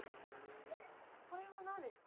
これは何ですか？